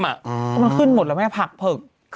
มันขึ้นหมดแล้วแม่ผักเผิก